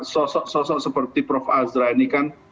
sosok sosok seperti prof azra ini kan